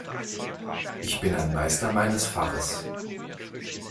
Ich bin ein Meister meines Faches.